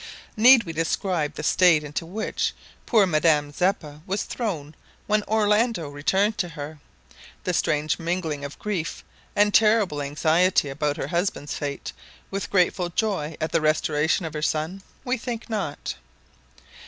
Need we describe the state into which poor Madame Zeppa was thrown when Orlando returned to her? the strange mingling of grief and terrible anxiety about her husband's fate, with grateful joy at the restoration of her son? We think not!